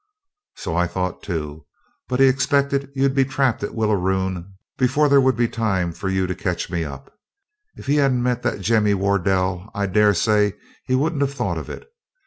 'So I thought, too; but he expected you'd be trapped at Willaroon before there would be time for you to catch me up. If he hadn't met that Jemmy Wardell, I daresay he wouldn't have thought of it.